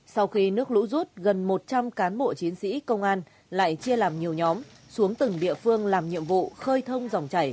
sau khi nước lũ rút gần một trăm linh cán bộ chiến sĩ công an lại chia làm nhiều nhóm xuống từng địa phương làm nhiệm vụ khơi thông dòng chảy